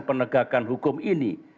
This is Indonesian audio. penegakan hukum ini